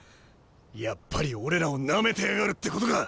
やっぱり俺らをなめてやがるってことか。